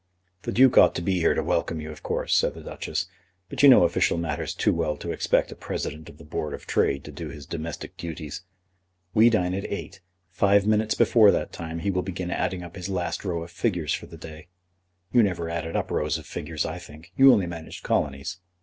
"The Duke ought to be here to welcome you, of course," said the Duchess; "but you know official matters too well to expect a President of the Board of Trade to do his domestic duties. We dine at eight; five minutes before that time he will begin adding up his last row of figures for the day. You never added up rows of figures, I think. You only managed colonies."